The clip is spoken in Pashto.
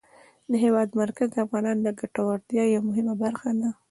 د هېواد مرکز د افغانانو د ګټورتیا یوه مهمه برخه ده.